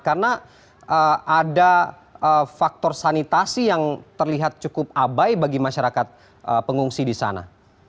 karena ada faktor sanitasi yang terlihat cukup abai bagi masyarakat pengungsi di sana